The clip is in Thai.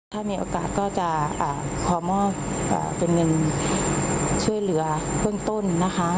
ถ้ามีโอกาสก็จะขอมอบเป็นเงินช่วยเหลือเบื้องต้นนะคะ